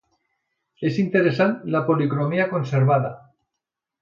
És interessant la policromia conservada.